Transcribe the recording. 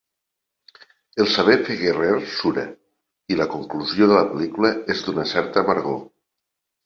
El saber fer guerrer sura i la conclusió de la pel·lícula és d’una certa amargor.